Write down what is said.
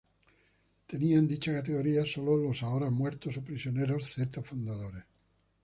Tenían dicha categoría sólo los ahora muertos o prisioneros Zetas fundadores.